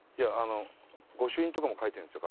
御朱印とかも書いてるんですよ